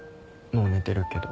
もう寝てるけど。